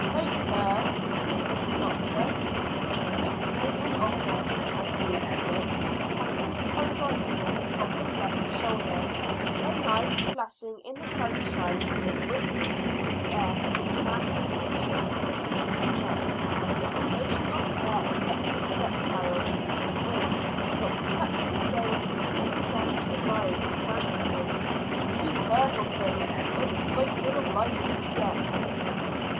"Take care," said the doctor. Chris made an offer, as boys call it, cutting horizontally from his left shoulder, the knife flashing in the sunshine as it whished through the air, passing inches from the snake's neck; but the motion of the air affected the reptile, which winced, dropped flat to the stone, and began to writhe frantically. "Be careful, Chris; there's a great deal of life in it yet."